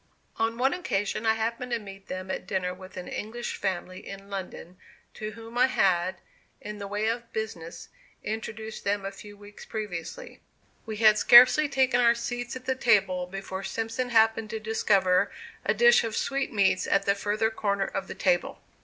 On one occasion I happened to meet them at dinner with an English family in London, to whom I had, in the way of business, introduced them a few weeks previously. We had scarcely taken our seats at the table before Simpson happened to discover a dish of sweetmeats at the further corner of the table.